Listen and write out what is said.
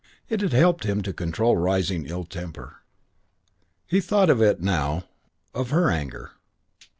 It had helped him to control rising ill temper. He thought of it now: of her anger.